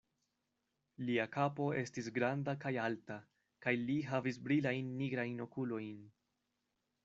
Lia kapo estis granda kaj alta, kaj li havis brilajn nigrajn okulojn.